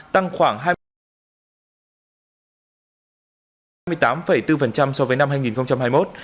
tăng khoảng hai mươi tám bốn so với năm hai nghìn hai mươi một